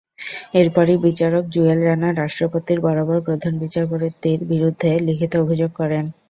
এরপরই বিচারক জুয়েল রানা রাষ্ট্রপতির বরাবর প্রধান বিচারপতির বিরুদ্ধে লিখিত অভিযোগ করেন।